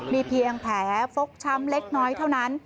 มีเพียงแผลฟกช้ำเล็กน้อยเท่านั้น